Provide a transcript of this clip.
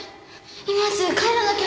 今すぐ帰らなきゃ！